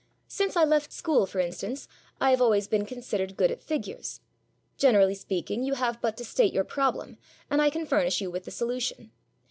Since I left school, for instance, I have always been considered good at figures. Generally speaking, you have but to state your problem, and I can furnish you with the solution.